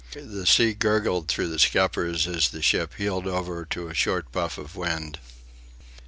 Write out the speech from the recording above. The sea gurgled through the scuppers as the ship heeled over to a short puff of wind.